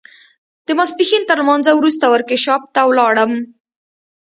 د ماسپښين تر لمانځه وروسته ورکشاپ ته ولاړم.